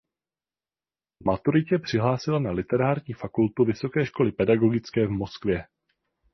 Po maturitě přihlásila na Literární fakultu vysoké školy pedagogické v Moskvě.